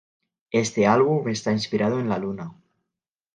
Este álbum está inspirado en la Luna.